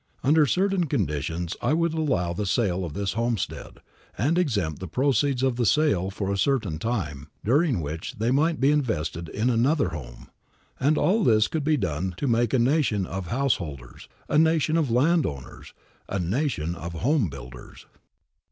Under certain conditions I would allow the sale of this homestead, and exempt the proceeds of the sale for a certain time, during which they might be invested in another home; and all this could be done to make a nation of householders, a nation of land owners, a nation of home builders.